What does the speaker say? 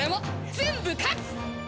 全部勝つ！